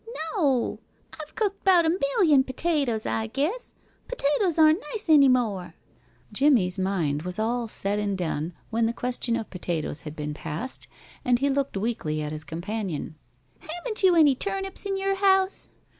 "No. I've cooked 'bout a million potatoes, I guess. Potatoes aren't nice any more." Jimmie's mind was all said and done when the question of potatoes had been passed, and he looked weakly at his companion. "Haven't you got any turnips in your house?"